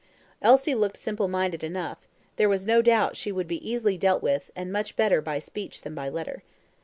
Elsie looked simple minded enough there was no doubt she would be easily dealt with, and much better by speech than by letter.